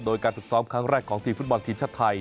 โดยการฝึกซ้อมครั้งแรกของทีมฟุตบอลทีมชาติไทย